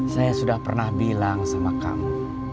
saya sudah pernah bilang sama kamu